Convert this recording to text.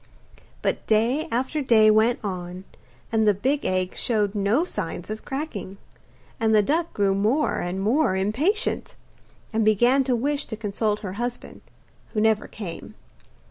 But day after day went on, and the big egg showed no signs of cracking, and the duck grew more and more impatient, and began to wish to consult her husband, who never came.